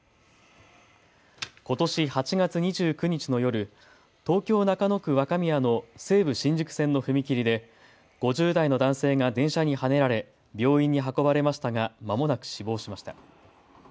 ことし８月２９日の夜、東京中野区若宮の西武新宿線の踏切で５０代の男性が電車にはねられ病院に運ばれましたがまもなく死亡しました。